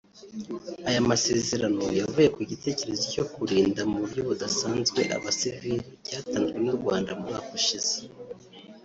Aya masezerano yavuye ku gitekerezo cyo kurinda mu buryo budasanzwe Abasivili cyatanzwe n’u Rwanda mu mwaka ushize